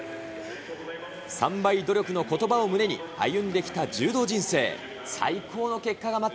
３倍努力のことばを胸に歩んできた柔道人生。